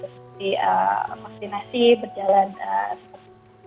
seperti vaksinasi berjalan seputar kiraan